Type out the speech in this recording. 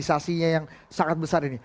sangat besar ini